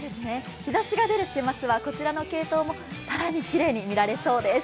日ざしが出る週末は、こちらのケイトウも更にきれいに見られそうです。